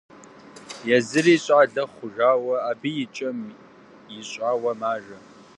Езыри, щӏалэ хъужауэ, абы и кӏэм ищӏауэ мажэ.